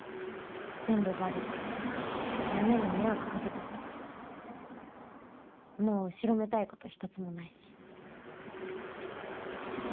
全部バレてみんなに迷惑かけちゃったけどもう後ろめたいことひとつもないしあ